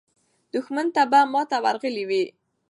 دښمن ته به ماته ورغلې وي.